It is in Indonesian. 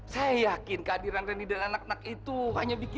saya yakin kehadiran reni dan anak anak itu hanya bikin